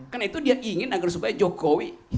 karena itu dia ingin agar supaya jokowi